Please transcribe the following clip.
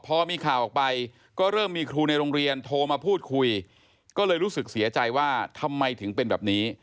พอมีข่าวออกไปก็เริ่มมีครูในโรงเรียนโทรมาพูดคุยก็เลยรู้สึกเสียใจว่าทำไมถึงเป็นแบบนี้